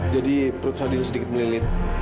jadi perut fadil sedikit melilit